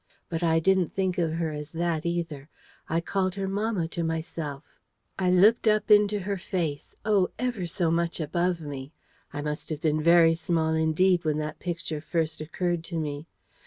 But I didn't think of her as that either: I called her mamma to myself: I looked up into her face, oh, ever so much above me: I must have been very small indeed when that picture first occurred to me.